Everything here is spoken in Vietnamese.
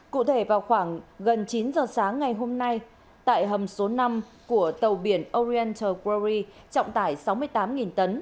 cụ thể vào khoảng gần chín giờ sáng ngày hôm nay tại hầm số năm của tàu biển oriental curri trọng tải sáu mươi tám tấn